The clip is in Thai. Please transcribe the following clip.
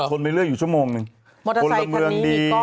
รถมอเตอร์ไซค์คนนี้มีกล้อง